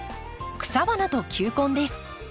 「草花と球根」です。